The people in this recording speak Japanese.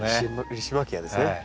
リシマキアですね。